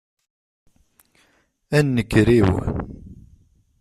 A nnger-iw!